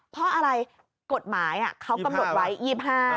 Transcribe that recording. เพราะอะไรกฎหมายเขากำหนดไว้๒๕